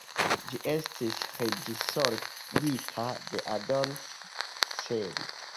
Ĝi estis reĝisorita de Adolfo Celi.